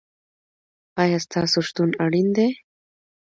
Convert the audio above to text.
ایا ستاسو شتون اړین دی؟